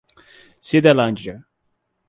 Cidelândia